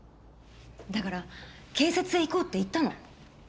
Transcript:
だから警察へ行こうって言ったの。